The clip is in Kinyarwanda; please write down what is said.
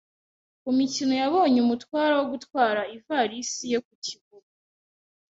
Kumiko yabonye umutwara wo gutwara ivalisi ye ku kibuga.